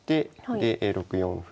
で６四歩。